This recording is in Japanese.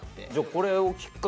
これをきっかけに。